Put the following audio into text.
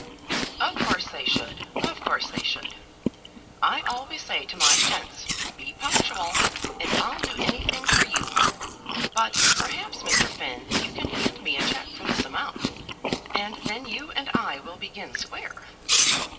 "Of course they should; of course they should. I always say to my gents, 'Be punctual, and I'll do anything for you.' But, perhaps, Mr. Finn, you can hand me a cheque for this amount, and then you and I will begin square."